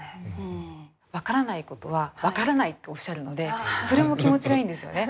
分からないことは分からないっておっしゃるのでそれも気持ちがいいんですよね。